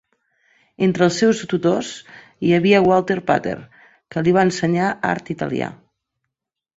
Entre els seus tutors hi havia Walter Pater, que li va ensenyar art italià.